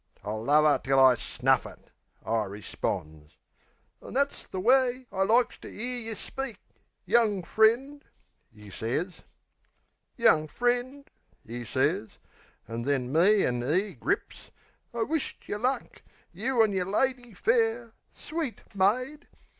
"I'll love 'er till I snuff it," I responds. "Ah, that's the way I likes to 'ear yeh speak, Young friend," 'e sez. "Young friend," 'e sez an' then me 'and 'e grips "I wish't yeh luck, you an' yer lady fair. Sweet maid."